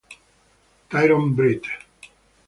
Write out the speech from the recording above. Tyrone Britt